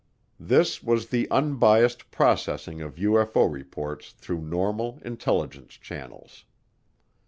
This was the unbiased processing of UFO reports through normal intelligence channels.